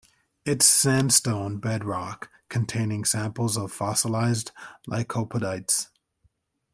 Its sandstone bedrock containing samples of fossilised Lycopodites.